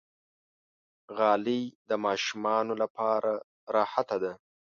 غالۍ د ماشومانو لپاره راحته ده.